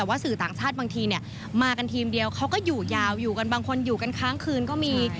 บางชาติบางทีมากันทีมเดียวเขาก็อยู่ยาวอยู่กันบางคนอยู่กันครั้งคืนก็มี